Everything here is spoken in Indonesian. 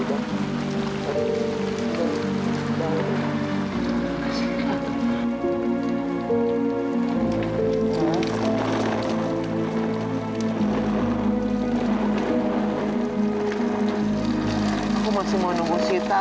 aku masih menunggu sita